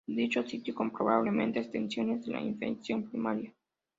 Dichos sitios son probablemente extensiones de la infección primaria.